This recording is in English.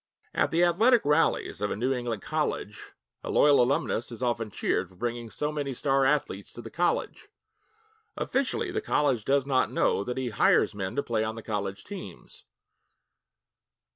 At the athletic rallies of a New England college, a loyal alumnus is often cheered for bringing so many star athletes to the college. Officially, the college does not know that he hires men to play on the college teams.